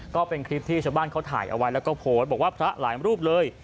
ก็เป็นคลิปที่ชาวบ้านเขาถ่ายเอาไว้แล้วก็โพสต์บอกว่าพระหลายรูปเลย